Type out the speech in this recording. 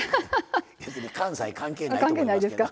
関西関係ないと思いますけど。